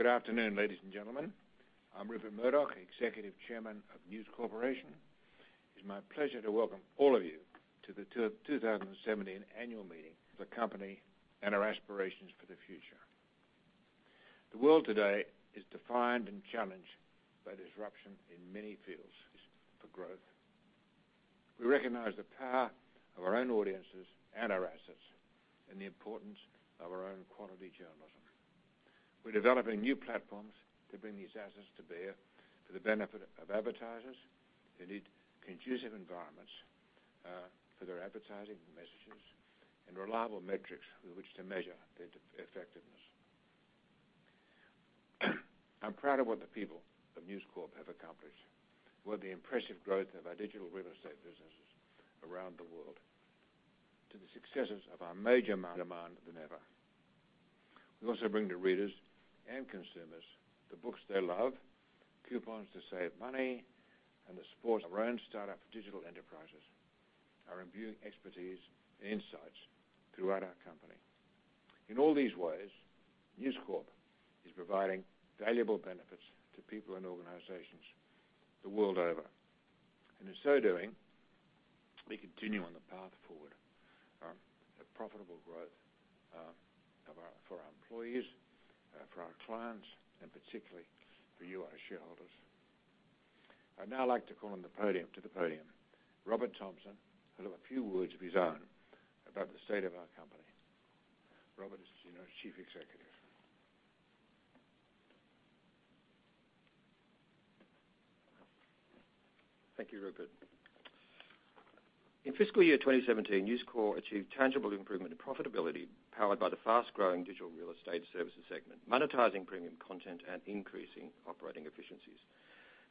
Good afternoon, ladies and gentlemen. I'm Rupert Murdoch, Executive Chairman of News Corporation. It's my pleasure to welcome all of you to the 2017 annual meeting of the company and our aspirations for the future. The world today is defined and challenged by disruption in many fields for growth. We recognize the power of our own audiences and our assets and the importance of our own quality journalism. We're developing new platforms to bring these assets to bear for the benefit of advertisers who need conducive environments for their advertising messages and reliable metrics with which to measure their effectiveness. I'm proud of what the people of News Corp have accomplished, with the impressive growth of our digital real estate businesses around the world to the successes of our major demand than ever. We also bring to readers and consumers the books they love, coupons to save money, and the sports our own startup digital enterprises are imbuing expertise and insights throughout our company. In so doing, we continue on the path forward, our profitable growth for our employees, for our clients, and particularly for you, our shareholders. I'd now like to call to the podium Robert Thomson, who'll have a few words of his own about the state of our company. Robert is our Senior Chief Executive. Thank you, Rupert. In fiscal year 2017, News Corp achieved tangible improvement in profitability powered by the fast-growing digital real estate services segment, monetizing premium content, and increasing operating efficiencies.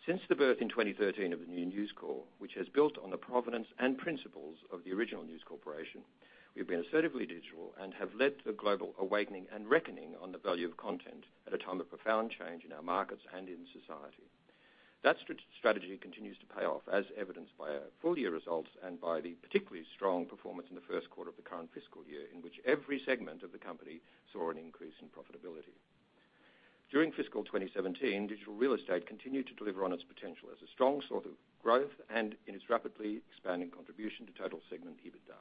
Since the birth in 2013 of the new News Corp, which has built on the provenance and principles of the original News Corporation, we've been assertively digital and have led to a global awakening and reckoning on the value of content at a time of profound change in our markets and in society. That strategy continues to pay off, as evidenced by our full-year results and by the particularly strong performance in the first quarter of the current fiscal year, in which every segment of the company saw an increase in profitability. During fiscal 2017, digital real estate continued to deliver on its potential as a strong source of growth and in its rapidly expanding contribution to total segment EBITDA.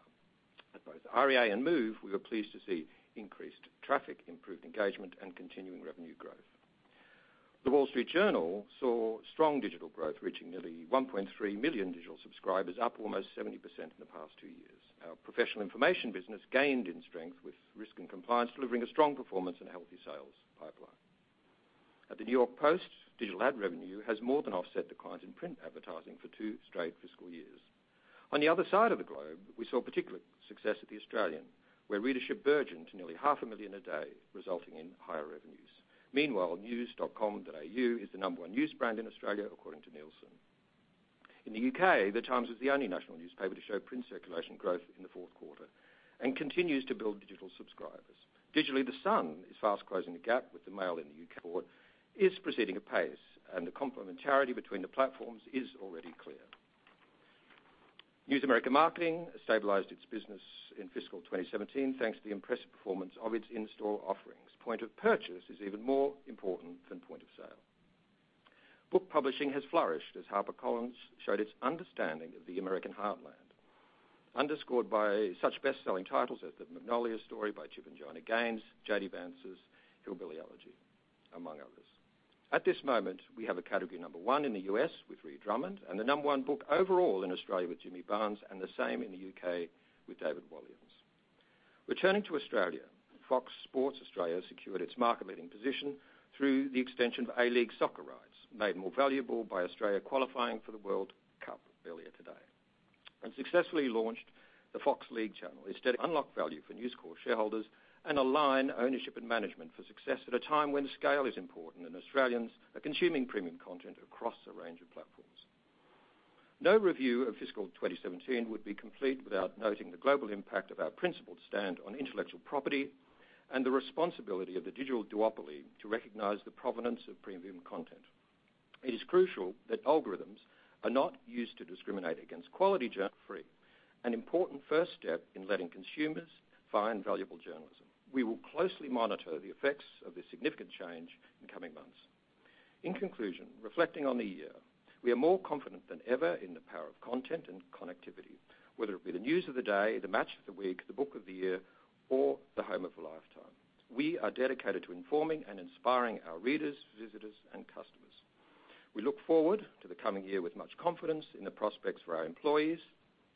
At both REA and Move, we were pleased to see increased traffic, improved engagement, and continuing revenue growth. The Wall Street Journal saw strong digital growth, reaching nearly 1.3 million digital subscribers, up almost 70% in the past two years. Our professional information business gained in strength with Risk & Compliance, delivering a strong performance and a healthy sales pipeline. At the New York Post, digital ad revenue has more than offset the decline in print advertising for two straight fiscal years. On the other side of the globe, we saw particular success at The Australian, where readership burgeoned to nearly half a million a day, resulting in higher revenues. Meanwhile, news.com.au is the number one news brand in Australia, according to Nielsen. In the U.K., The Times was the only national newspaper to show print circulation growth in the fourth quarter and continues to build digital subscribers. Digitally, The Sun is fast closing the gap with The Mail in the U.K. [inaudible] is proceeding apace, and the complementarity between the platforms is already clear. News America Marketing has stabilized its business in FY 2017, thanks to the impressive performance of its in-store offerings. Point of purchase is even more important than point of sale. Book publishing has flourished as HarperCollins showed its understanding of the American heartland, underscored by such best-selling titles as "The Magnolia Story" by Chip and Joanna Gaines, J.D. Vance's "Hillbilly Elegy," among others. At this moment, we have a category 1 in the U.S. with Ree Drummond, and the number 1 book overall in Australia with Jimmy Barnes, and the same in the U.K. with David Walliams. Returning to Australia, Fox Sports Australia secured its market-leading position through the extension of A-League soccer rights, made more valuable by Australia qualifying for the FIFA World Cup earlier today, and successfully launched the Fox League channel. It's unlocked value for News Corp shareholders and align ownership and management for success at a time when scale is important and Australians are consuming premium content across a range of platforms. No review of FY 2017 would be complete without noting the global impact of our principled stand on intellectual property and the responsibility of the digital duopoly to recognize the provenance of premium content. It is crucial that algorithms are not used to discriminate against quality free, an important first step in letting consumers find valuable journalism. We will closely monitor the effects of this significant change in coming months. In conclusion, reflecting on the year, we are more confident than ever in the power of content and connectivity, whether it be the news of the day, the match of the week, the book of the year, or the home of a lifetime. We are dedicated to informing and inspiring our readers, visitors, and customers. We look forward to the coming year with much confidence in the prospects for our employees,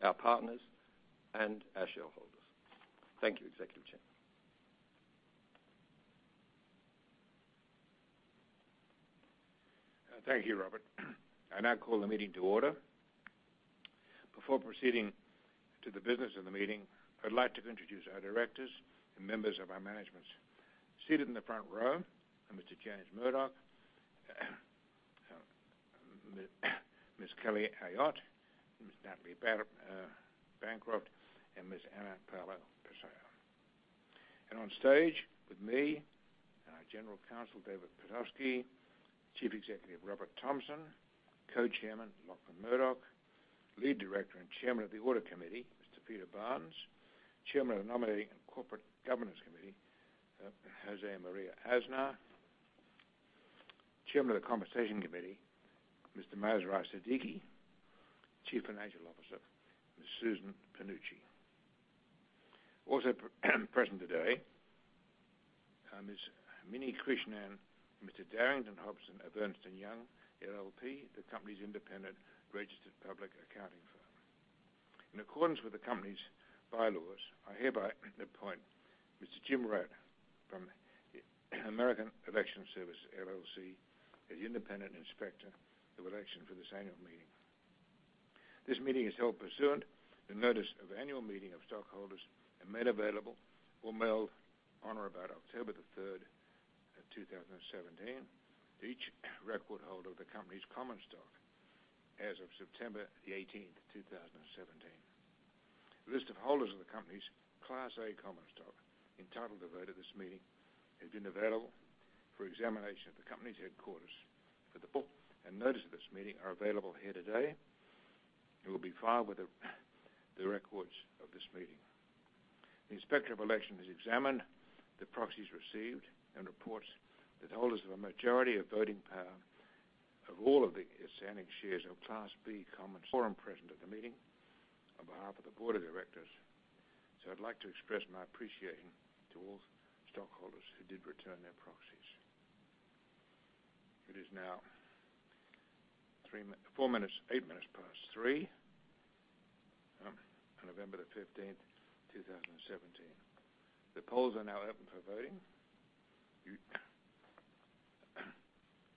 our partners, and our shareholders. Thank you, Executive Chairman. Thank you, Robert. I now call the meeting to order. Before proceeding to the business of the meeting, I'd like to introduce our Directors and members of our management. Seated in the front row are Mr. James Murdoch, Ms. Kelly Ayotte, Ms. Natalie Bancroft, and Ms. Ana Paula Pessoa. On stage with me are our General Counsel, David Pitofsky, Chief Executive Robert Thomson, Co-Chairman Lachlan Murdoch, Lead Director and Chairman of the Audit Committee, Mr. Peter Barnes. Chairman of the Nominating and Corporate Governance Committee, José María Aznar. Chairman of the Compensation Committee, Mr. Masroor Siddiqui. Chief Financial Officer, Ms. Susan Panuccio. Also present today, Ms. Mini Krishnan, Mr. Darrington Hobson of Ernst & Young LLP, the company's independent registered public accounting firm. In accordance with the company's bylaws, I hereby appoint Mr. Jim Rutt from American Election Services, LLC, as Independent Inspector of Election for this annual meeting. This meeting is held pursuant to notice of annual meeting of stockholders and made available or mailed on or about October 3rd, 2017, to each record holder of the company's common stock as of September 18th, 2017. List of holders of the company's Class A common stock entitled to vote at this meeting has been available for examination at the company's headquarters, but the book and notice of this meeting are available here today and will be filed with the records of this meeting. The Inspector of Election has examined the proxies received and reports that holders of a majority of voting power of all of the outstanding shares of Class B quorum present at the meeting on behalf of the board of directors. I'd like to express my appreciation to all stockholders who did return their proxies. It is now 8 minutes past 3:00 on November 15th, 2017. The polls are now open for voting.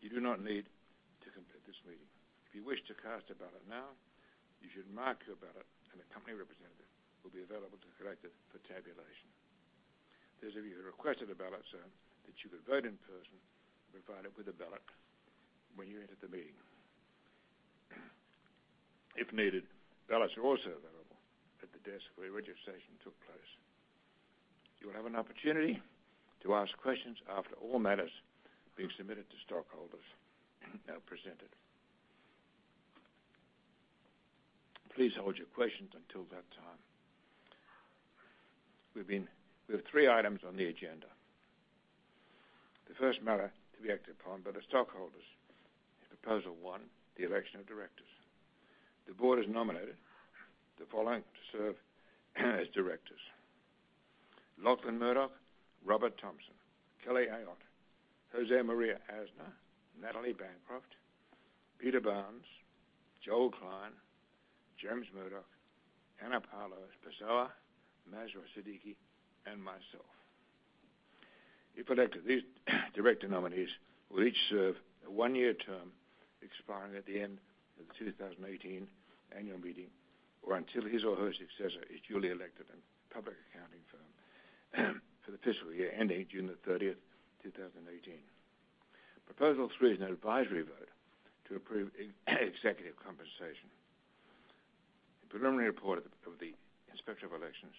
You do not need to complete this meeting. If you wish to cast a ballot now, you should mark your ballot, and a company representative will be available to collect it for tabulation. Those of you who requested a ballot so that you could vote in person were provided with a ballot when you entered the meeting. If needed, ballots are also available at the desk where your registration took place. You will have an opportunity to ask questions after all matters being submitted to stockholders are presented. Please hold your questions until that time. We have three items on the agenda. The first matter to be acted upon by the stockholders is Proposal 1, the election of directors. The board has nominated the following to serve as directors: Lachlan Murdoch, Robert Thomson, Kelly Ayotte, José María Aznar, Natalie Bancroft, Peter Barnes, Joel Klein, James Murdoch, Ana Paula Pessoa, Masroor Siddiqui, and myself. If elected, these director nominees will each serve a one-year term expiring at the end of the 2018 annual meeting or until his or her successor is duly elected. A public accounting firm for the fiscal year ending June 30th, 2018. Proposal 3 is an advisory vote to approve executive compensation. The preliminary report of the Inspector of Elections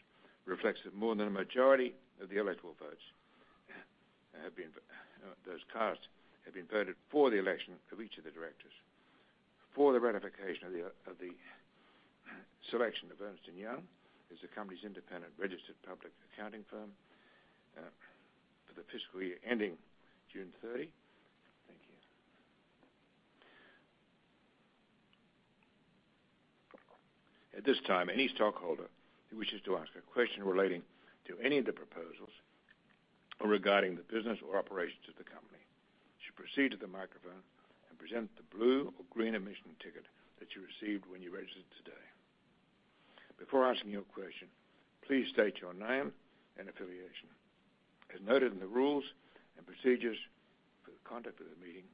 reflects that more than a majority of the electoral votes that have been voted for the election of each of the directors. For the ratification of the selection of Ernst & Young as the company's independent registered public accounting firm for the fiscal year ending June 30. Thank you. At this time, any stockholder who wishes to ask a question relating to any of the proposals or regarding the business or operations of the company should proceed to the microphone and present the blue or green admission ticket that you received when you registered today. Before asking your question, please state your name and affiliation. As noted in the rules and procedures for the conduct of the meeting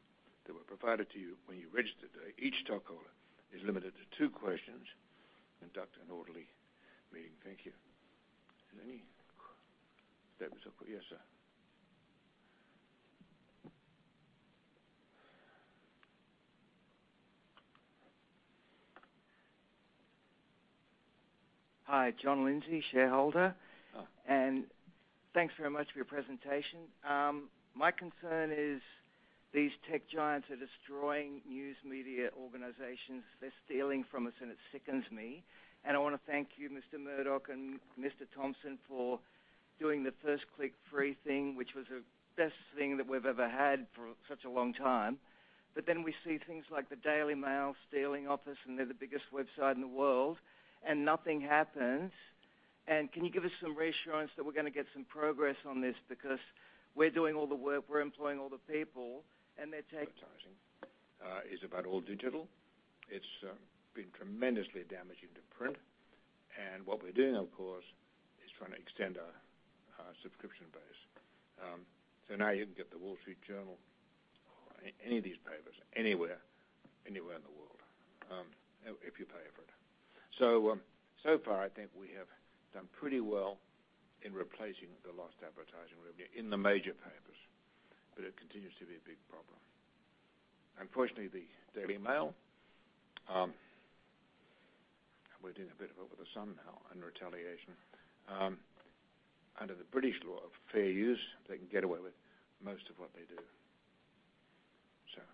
that were provided to you when you registered today, each stockholder is limited to two questions to conduct an orderly meeting. Thank you. Any? Yes, sir. Hi, John Lindsay, shareholder. Oh. Thanks very much for your presentation. My concern is these tech giants are destroying news media organizations. They're stealing from us, and it sickens me. I want to thank you, Mr. Murdoch and Mr. Thomson, for doing the first click free thing, which was the best thing that we've ever had for such a long time. We see things like the Daily Mail stealing off us, and they're the biggest website in the world, and nothing happens. Can you give us some reassurance that we're going to get some progress on this? We're doing all the work, we're employing all the people. Advertising is about all digital. It's been tremendously damaging to print. What we're doing, of course, is trying to extend our subscription base. Now you can get The Wall Street Journal or any of these papers anywhere in the world, if you pay for it. So far, I think we have done pretty well in replacing the lost advertising revenue in the major papers, but it continues to be a big problem. Unfortunately, the Daily Mail, we're doing a bit of it with The Sun now in retaliation. Under the British law of fair use, they can get away with most of what they do. Sure.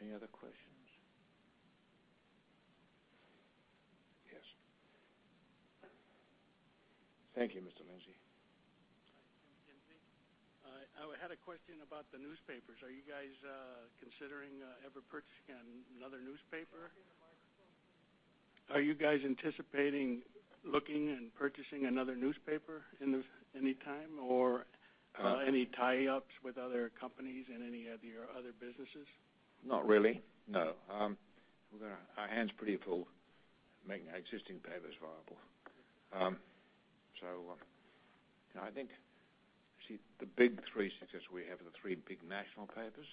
Any other questions? Yes. Thank you, Mr. Lindsay. Hi, Jim Lindsay. I had a question about the newspapers. Are you guys considering ever purchasing another newspaper? Talk in the microphone, please. Are you guys anticipating looking and purchasing another newspaper anytime? Or any tie-ups with other companies in any of your other businesses? Not really, no. Our hands pretty are full making our existing papers viable. I think, see, the big three success we have are the three big national papers,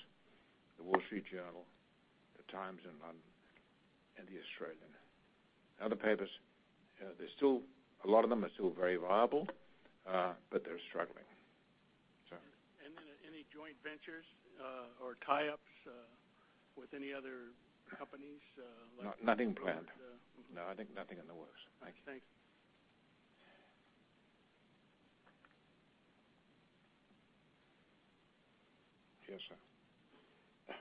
The Wall Street Journal, The Times in London, and The Australian. Other papers, a lot of them are still very viable, but they're struggling. Sure. Then any joint ventures or tie-ups with any other companies. Nothing planned. Okay. No, I think nothing in the works. Thank you. Yes, sir.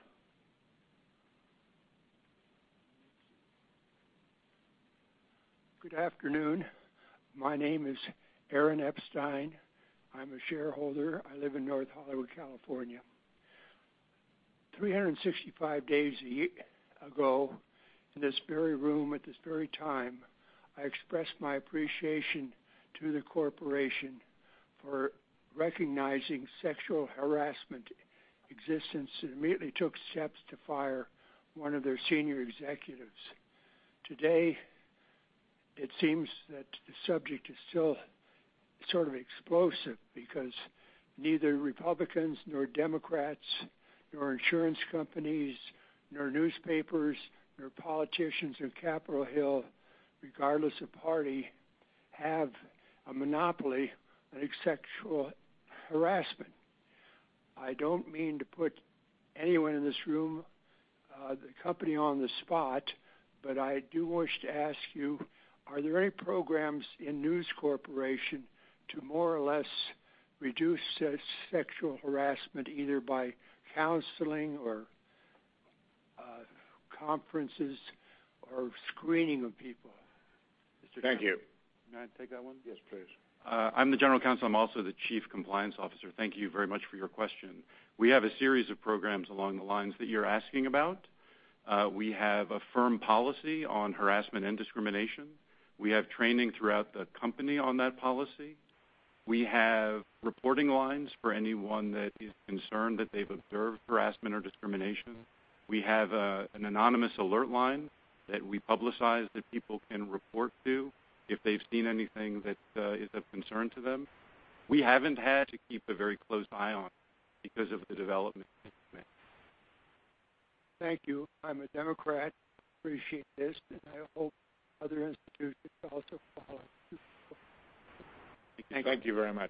Good afternoon. My name is Aaron Epstein. I'm a shareholder. I live in North Hollywood, California. 365 days ago, in this very room at this very time, I expressed my appreciation to the corporation for recognizing sexual harassment existence and immediately took steps to fire one of their senior executives. Today, it seems that the subject is still sort of explosive because neither Republicans nor Democrats, nor insurance companies, nor newspapers, nor politicians on Capitol Hill, regardless of party, have a monopoly on sexual harassment. I don't mean to put anyone in this room, the company on the spot, but I do wish to ask you, are there any programs in News Corporation to more or less reduce sexual harassment, either by counseling or conferences or screening of people? Mr. Chairman. Thank you. May I take that one? Yes, please. I'm the general counsel. I'm also the chief compliance officer. Thank you very much for your question. We have a series of programs along the lines that you're asking about. We have a firm policy on harassment and discrimination. We have training throughout the company on that policy. We have reporting lines for anyone that is concerned that they've observed harassment or discrimination. We have an anonymous alert line that we publicize that people can report to if they've seen anything that is of concern to them. We haven't had to keep a very close eye on it because of the development in May. Thank you. I'm a Democrat. Appreciate this, and I hope other institutions also follow. Thank you. Thank you very much.